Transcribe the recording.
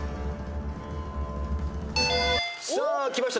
さあきました